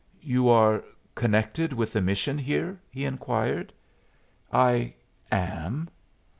"You are connected with the mission here?" he inquired. "I am."